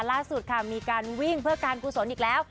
ล่าสุดค่ะมีการวิ่งเพื่อการกุศลอีกแล้ว